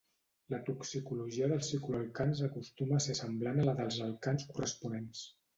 La toxicologia dels cicloalcans acostuma a ser semblant a la dels alcans corresponents.